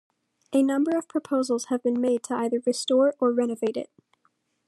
A number of proposals have been made to either restore or renovate it.